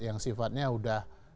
yang sifatnya udah